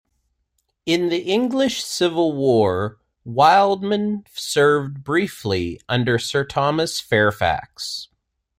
In the English Civil War Wildman served briefly under Sir Thomas Fairfax.